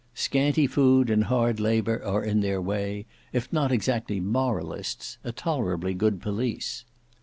Scanty food and hard labour are in their way, if not exactly moralists, a tolerably good police.